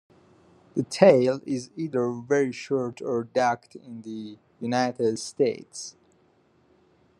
The tail is either very short or docked in the United States.